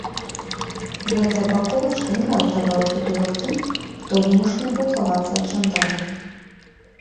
Гэтая баковачка не раз давала прытулак тым, хто вымушаны быў хавацца ад жандараў.